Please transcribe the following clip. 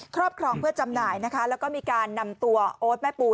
รอบครองเพื่อจำหน่ายนะคะแล้วก็มีการนำตัวโอ๊ตแม่ปู